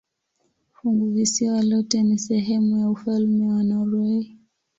Funguvisiwa lote ni sehemu ya ufalme wa Norwei.